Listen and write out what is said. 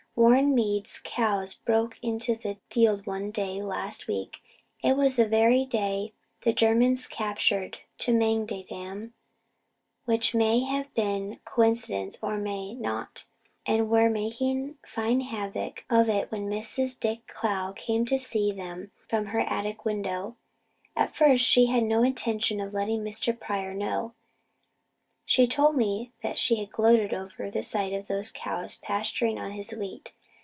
Warren Mead's cows broke into the field one day last week it was the very day the Germans captured the Chemang de dam, which may have been a coincidence or may not and were making fine havoc of it when Mrs. Dick Clow happened to see them from her attic window. At first she had no intention of letting Mr. Pryor know. She told me she had just gloated over the sight of those cows pasturing on his wheat.